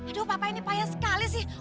aduh papa ini payah sekali sih